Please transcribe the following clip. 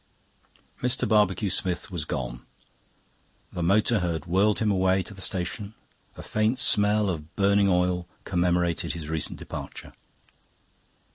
Mr. Barbecue Smith was gone. The motor had whirled him away to the station; a faint smell of burning oil commemorated his recent departure.